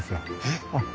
えっ！